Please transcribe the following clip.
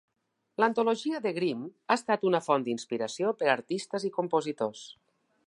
L'antologia de Grimm ha estat una font d'inspiració per a artistes i compositors.